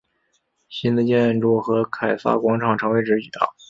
新的建筑和凯撒广场成为直角。